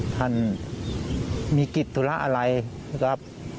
ท่านมีกิจธุระอะไรนะครับ